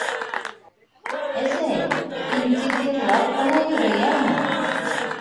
Әсәй, һин тик йырлап ҡына йөрө, йәме?!